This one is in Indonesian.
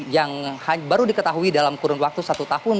yang baru diketahui dalam kurun waktu satu tahun